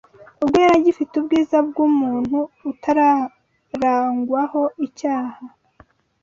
Ubwo yari agifite ubwiza bw’umuntu utararangwaho icyaha